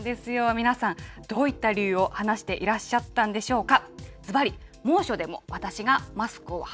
皆さん、どういった理由を話していらっしゃったんでしょうか。